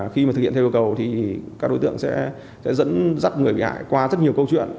khi mà thực hiện theo yêu cầu thì các đối tượng sẽ dẫn dắt người bị hại qua rất nhiều câu chuyện